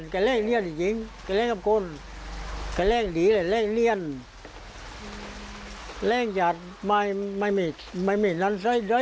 จากแร่งกลางฝือก็แร่งเลี่ยนไปนั้น